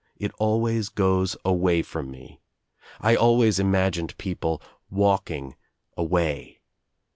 It always goes away from me. I always im agined people walking away.